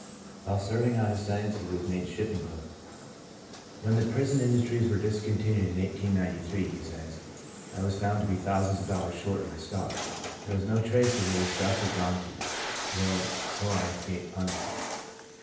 While serving out his sentence he was made shipping clerk. "When the prison indus tries were discontinued in 1893," he says, " I was found to be thousands of dollars short in my stock. There was no trace of where Sons of Ishmael 99 the stuff had gone to, though, so I escaped punishment.